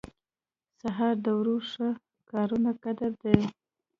سهار د وړو ښه کارونو قدر دی.